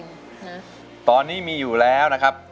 ทั้งในเรื่องของการทำงานเคยทำนานแล้วเกิดปัญหาน้อย